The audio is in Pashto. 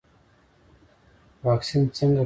واکسین څنګه کار کوي؟